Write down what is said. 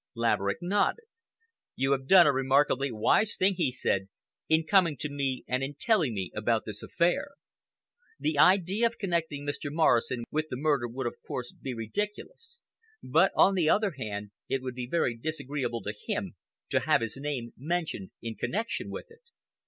Laverick nodded. "You have done a remarkably wise thing," he said, "in coming to me and in telling me about this affair. The idea of connecting Mr. Morrison with the murder would, of course, be ridiculous, but, on the other hand, it would be very disagreeable to him to have his name mentioned in connection with it.